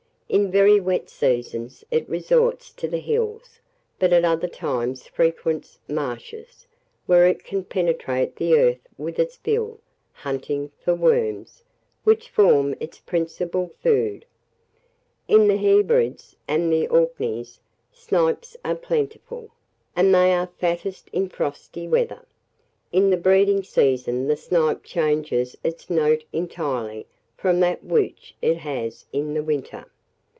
In very wet seasons it resorts to the hills, but at other times frequents marshes, where it can penetrate the earth with its bill, hunting for worms, which form its principal food. In the Hebrides and the Orkneys snipes are plentiful, and they are fattest in frosty weather. In the breeding season the snipe changes its note entirely from that which it has in the winter.